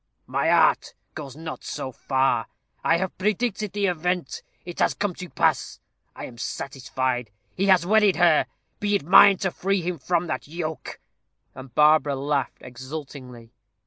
"My art goes not so far. I have predicted the event. It has come to pass. I am satisfied. He has wedded her. Be it mine to free him from that yoke." And Barbara laughed exultingly.